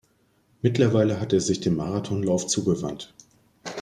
Mittlerweile hat er sich dem Marathonlauf zugewandt.